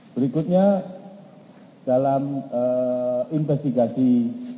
berikutnya dalam investigasi knkt